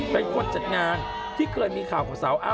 เป็นคนจัดงานที่เคยมีข่าวกับสาวอ้ำ